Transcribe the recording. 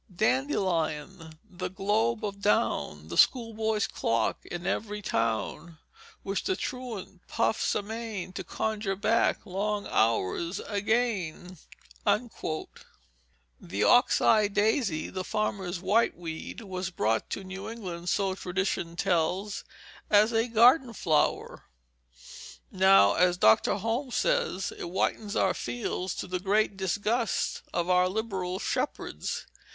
"Dandelion, the globe of down, The schoolboy's clock in every town, Which the truant puffs amain To conjure back long hours again." The ox eye daisy, the farmer's whiteweed, was brought to New England, so tradition tells, as a garden flower. Now, as Dr. Holmes says, it whitens our fields to the great disgust of our liberal shepherds.